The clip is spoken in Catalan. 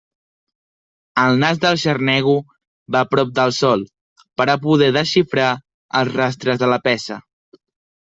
El nas del xarnego va prop del sòl per a poder desxifrar els rastres de la peça.